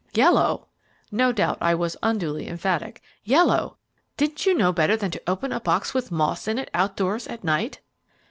"Yellow!" No doubt I was unduly emphatic. "Yellow! Didn't you know better than to open a box with moths in it outdoors at night?"